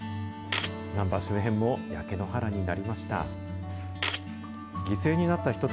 難波周辺も焼け野原になりました。